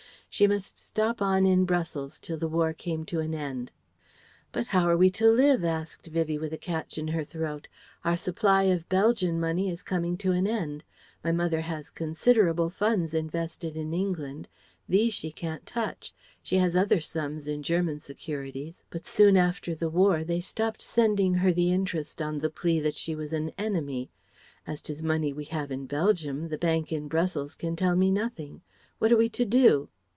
She must stop on in Brussels till the War came to an end. "But how are we to live?" asked Vivie, with a catch in her throat. "Our supply of Belgian money is coming to an end. My mother has considerable funds invested in England. These she can't touch. She has other sums in German securities, but soon after the War they stopped sending her the interest on the plea that she was an 'enemy.' As to the money we have in Belgium, the bank in Brussels can tell me nothing. What are we to do?"